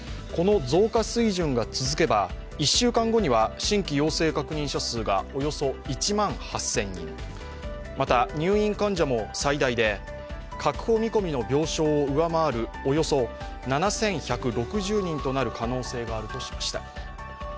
この増加水準が続けば１週間後には新規陽性確認者数がおよそ１万８０００人、また入院患者も最大で確保見込みの病床を上回るおよそ７１６０人となる可能性があるとしました。